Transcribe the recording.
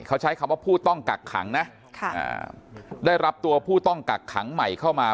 เขาใช้คำว่าผู้ต้องกักขังนะได้รับตัวผู้ต้องกักขังใหม่เข้ามา